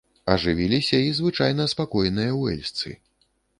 Ажывіліся і звычайна спакойныя уэльсцы.